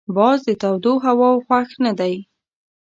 باز د تودو هواوو خوښ نه دی